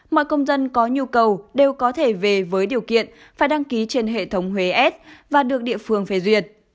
mọi công dân có nhu cầu đều có thể về với điều kiện phải đăng ký trên hệ thống huế s và được địa phương phê duyệt